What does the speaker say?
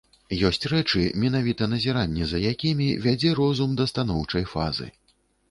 Ёсць рэчы, менавіта назіранне за якімі вядзе розум да станоўчай фазы.